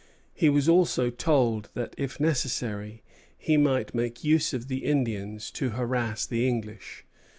He was also told that, if necessary, he might make use of the Indians to harass the English.